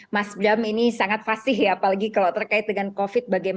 mas bram ini sangat fasih ya apalagi kalau terkait dengan covid bagaimana